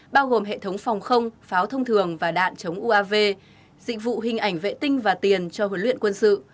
bao gồm hệ thống phòng không pháo thông thường và đạn chống uav dịch vụ hình ảnh vệ tinh và tiền cho huấn luyện quân sự